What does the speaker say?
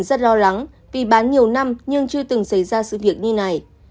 bà b rất lo lắng vì bán nhiều năm nhưng chưa từng xảy ra sự việc như này